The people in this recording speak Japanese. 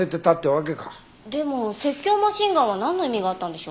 でも説教マシンガンはなんの意味があったんでしょう？